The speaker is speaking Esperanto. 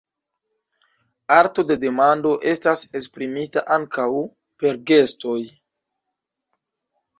Arto de demando estas esprimita ankaŭ per gestoj.